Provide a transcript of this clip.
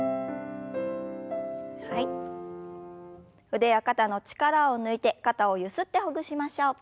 腕や肩の力を抜いて肩をゆすってほぐしましょう。